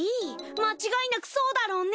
間違いなくそうだろうね。